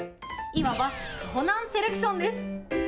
いわば、かほなんセレクションです。